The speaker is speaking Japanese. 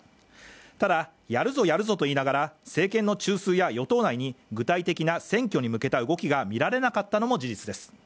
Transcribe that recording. ただ、やるぞやるぞと言いながら、政権の中枢や与党内に選挙に向けた具体的な動きが見られなかったのも事実です。